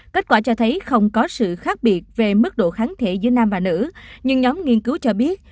kết quả cho thấy không có sự khác biệt về mức độ kháng thể giữa nam và nữ nhưng nhóm nghiên cứu cho biết